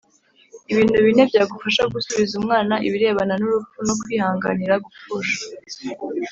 Ibintu bine byagufasha gusubiza umwana ibirebana n’urupfu no kwihanganira gupfusha